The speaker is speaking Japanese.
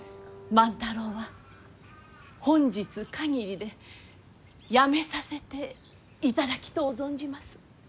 万太郎は本日限りでやめさせていただきとう存じます。